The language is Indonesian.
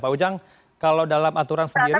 pak ujang kalau dalam aturan sendiri